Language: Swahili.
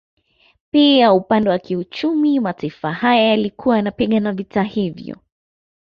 Pia upande wa kiuchumi mataifa haya yalikuwa yanapigana vita hivyo